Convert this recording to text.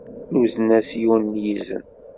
Nuzen-as yiwen n yizen.